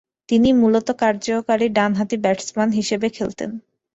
তিনি মূলতঃ কার্যকরী ডানহাতি ব্যাটসম্যান হিসেবে খেলতেন।